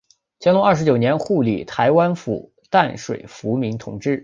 乾隆二十九年护理台湾府淡水抚民同知。